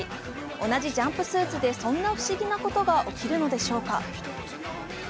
同じジャンプスーツでそんな不思議なことが起きるのでしょうか。